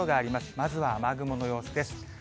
まずは雨雲の様子です。